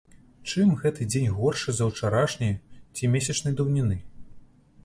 Чым гэты дзень горшы за ўчарашні ці месячнай даўніны?